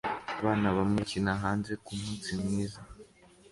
Abana bamwe bakina hanze kumunsi mwiza